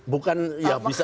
bukan ya bisa